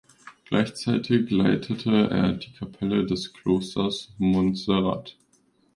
Gleichzeitig leitete er die Kapelle des Klosters Montserrat.